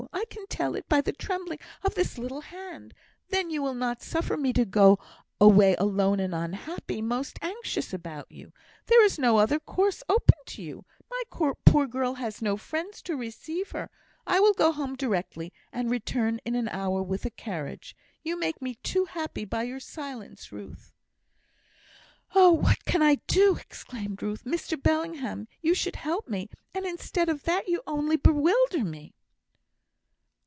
I can tell it by the trembling of this little hand; then you will not suffer me to go away alone and unhappy, most anxious about you? There is no other course open to you; my poor girl has no friends to receive her. I will go home directly, and return in an hour with a carriage. You make me too happy by your silence, Ruth." "Oh, what can I do!" exclaimed Ruth. "Mr Bellingham, you should help me, and instead of that you only bewilder me."